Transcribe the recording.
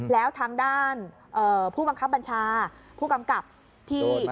แล้วทางด้านผู้บังคับบัญชาผู้กำกับที่